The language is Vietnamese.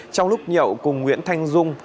trong lúc nhậu cùng nguyễn thanh dung